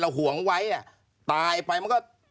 ห่วงไว้อ่ะตายไปมันก็